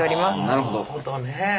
なるほどね。